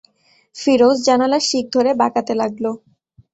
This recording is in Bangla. ফিরোজ জানালার শিক ধরে বাঁকাতে লাগল।